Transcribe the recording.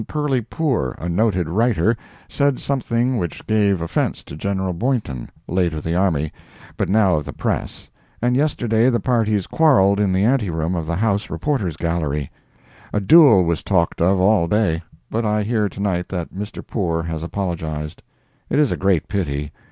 Perly Poore, a noted writer, said something which gave offence to General Boynton, late of the Army, but now of the press, and yesterday the parties quarrelled in the ante room of the House reporters' gallery. A duel was talked of all day, but I hear to night that Mr. Poore has apologized. It is a great pity.